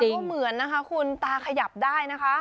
ก็เหมือนนะคะคุณตาขยับได้นะคะ